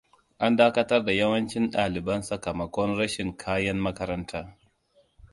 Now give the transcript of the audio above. An dakatar da yawancin ɗaliban sakamakon rashin kayan makaranta.